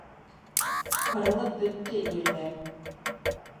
Ҡырылып бөттө ирҙәр.